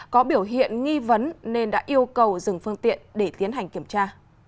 có biểu hiện nghi vấn nên đã yêu cầu dừng phương tiện để tiến hành kiểm tra